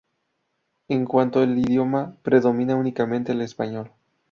En cuanto al idioma, predomina únicamente el español.